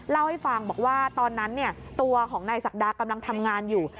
เล่าให้ฟังบอกว่าตอนนั้นตัวของนายศักดากำลังทำงานอยู่